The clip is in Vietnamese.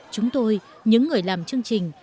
chúng tôi những người làm chương trình